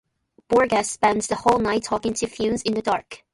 Borges spends the whole night talking to Funes in the dark.